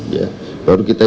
ya baru kita